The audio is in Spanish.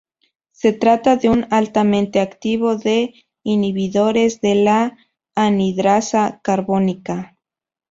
Se trata de un altamente activo de inhibidores de la anhidrasa carbónica.